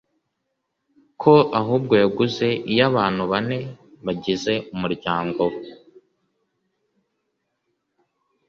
ko ahubwo yaguze iy’abantu bane bagize umuryango we